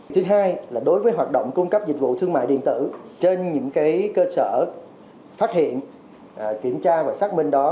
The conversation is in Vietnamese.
thứ hai là đối với hoạt động cung cấp dịch vụ thương mại điện tử trên những cơ sở phát hiện kiểm tra và xác minh đó